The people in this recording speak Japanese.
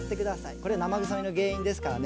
これは生臭みの原因ですからね。